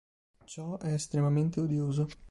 Ciò è estremamente odioso.